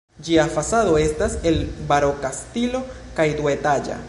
Ĝia fasado estas el baroka stilo kaj duetaĝa.